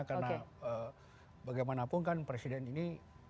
karena bagaimanapun kan presiden ini